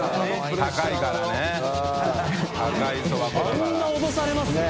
あんな脅されます？